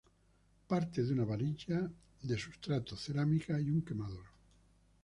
Parte de una varilla de substrato cerámica y un quemador.